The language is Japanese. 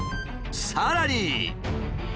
さらに。